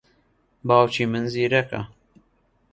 باوکی من زیرەکە.